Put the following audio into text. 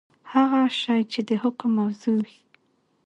هغه شی چي د حکم موضوع وي.؟